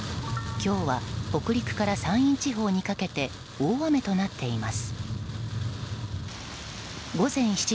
今日は北陸から山陰地方にかけて大雨となっています。